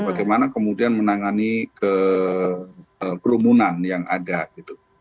bagaimana kemudian menangani kerumunan yang ada gitu